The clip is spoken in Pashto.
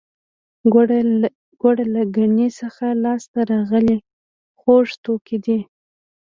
ګوړه له ګني څخه لاسته راغلی خوږ توکی دی